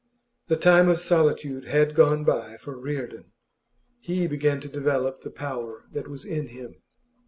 The time of solitude had gone by for Reardon. He began to develop the power that was in him.